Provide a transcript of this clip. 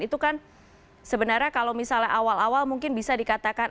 itu kan sebenarnya kalau misalnya awal awal mungkin bisa dikatakan